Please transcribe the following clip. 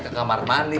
ke kamar mandi